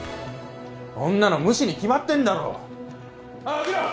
こんなの無視に決まってんだろおい起きろ！